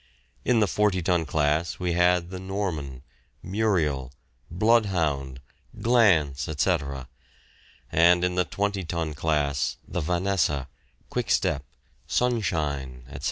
In the forty ton class we had the "Norman," "Muriel," "Bloodhound," "Glance," etc.; and in the twenty ton class the "Vanessa," "Quickstep," "Sunshine," etc.